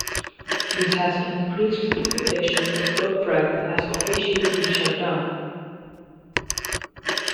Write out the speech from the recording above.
This has increased speculation that Gotfrag has officially been shut down.